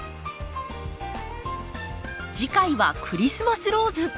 次回はクリスマスローズ。